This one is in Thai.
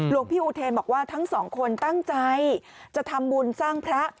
พี่อุเทนบอกว่าทั้งสองคนตั้งใจจะทำบุญสร้างพระ